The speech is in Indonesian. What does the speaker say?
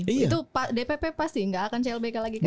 itu dpp pasti gak akan clbk lagi guys